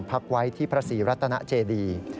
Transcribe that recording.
พักไว้ที่พระศรีรัตนเจดี